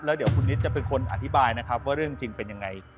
แล้วเดี๋ยวคุณนิดจะเป็นคนอธิบายนะครับว่าเรื่องจริงเป็นยังไง